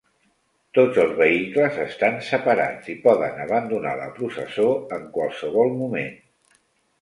Tots els vehicles estan separats i poden abandonar la processó en qualsevol moment.